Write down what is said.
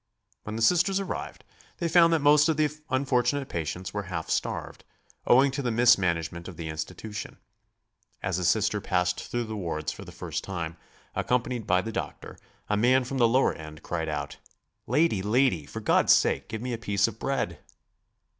When the Sisters arrived they found that most of the unfortunate patients were half starved, owing to the mismanagement of the institution. As a Sister passed through the wards for the first time, accompanied by the doctor, a man from the lower end cried out: "Lady, lady, for God's sake give me a piece of bread!"